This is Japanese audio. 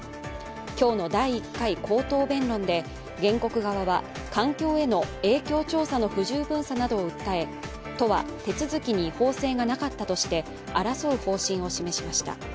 今日の第１回口頭弁論で原告側は環境への影響調査の不十分さなどを訴え都は手続きに違法性がなかったとして争う方針を示しました。